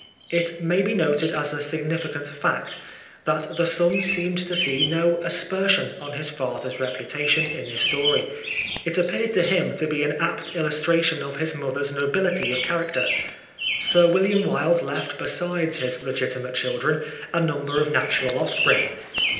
It may be noted as a significant fact that the son seemed to see no aspersion on his father's reputation in this story. It appeared to him to be an apt illustration of his mother's nobility of character. Sir William Wilde left besides his legitimate children a number of natural offspring.